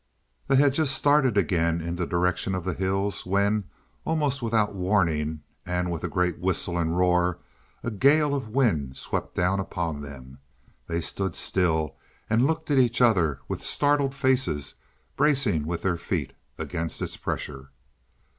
They had just started again in the direction of the hills when, almost without warning, and with a great whistle and roar, a gale of wind swept down upon them. They stood still and looked at each other with startled faces, bracing with their feet against its pressure.